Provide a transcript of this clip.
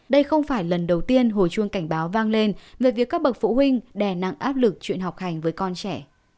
đây không phải lần đầu tiên hồi chuông cảnh báo vang lên về việc các bậc phụ huynh đè nặng áp lực chuyện học hành với con trẻ